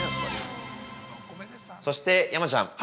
◆そして山ちゃん。